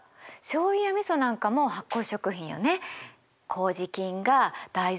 しょうゆやみそなんかも発酵食品よね。